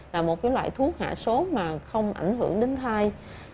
là một loại thuốc hạ sốt mà không ảnh hưởng đến thai